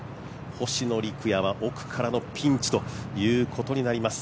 星野陸也は奥からのピンチということになります。